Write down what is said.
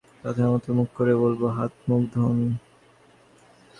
পাথরের মতো মুখ করে বলল, হাত-মুখ ধোন।